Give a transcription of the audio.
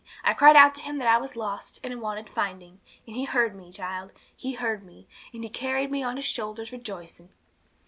I cried out to Him that I was lost, and wanted finding; and He heard me, child. He heard me, and He carried me on His shoulders rejoicing.'